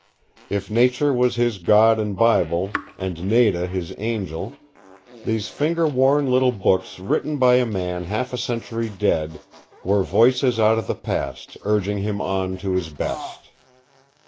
If Nature was his God and Bible, and Nada his Angel, these finger worn little books written by a man half a century dead were voices out of the past urging him on to his best.